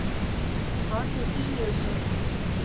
可是偏要説，